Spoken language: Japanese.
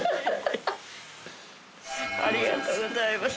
ありがとうございます。